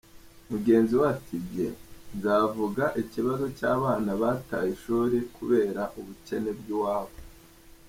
Mugenzi we ati “Jye nzavuga ikibazo cy’abana bataye ishuri kubera ubukene bw’iwabo.